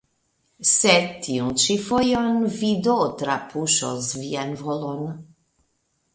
Sed tiun ĉi fojon vi do trapuŝos vian volon?